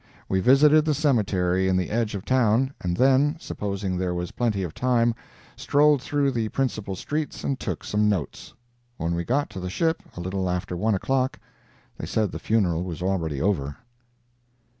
We visited the cemetery in the edge of town, and then, supposing there was plenty of time, strolled through the principal streets and took some notes. When we got to the ship, a little after one o'clock, they said the funeral was already over.